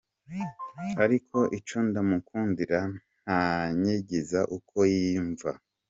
"Ariko ico ndamukundira, ntanyegeza uko yiyumva.